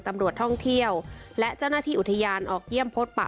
ตำรวจท่องเที่ยวและเจ้าหน้าที่อุทยานออกเยี่ยมพบปะ